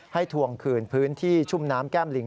ทวงคืนพื้นที่ชุ่มน้ำแก้มลิง